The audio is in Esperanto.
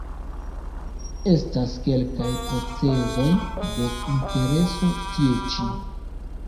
Estas kelkaj procezoj de intereso tie ĉi.